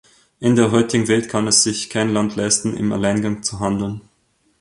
In der heutigen Welt kann es sich kein Land leisten, im Alleingang zu handeln.